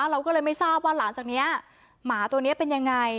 เราก็เลยไม่ทราบว่าหลังจากนี้หมาตัวนี้เป็นยังไง